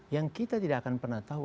yang kita tidak akan pernah tahu